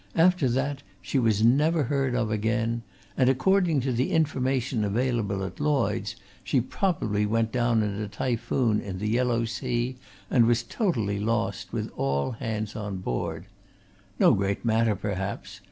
After that she was never heard of again, and according to the information available at Lloyds she probably went down in a typhoon in the Yellow Sea and was totally lost, with all hands on board. No great matter, perhaps!